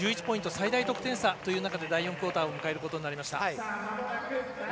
最大得点差という中で第４クオーターを迎えることになりました。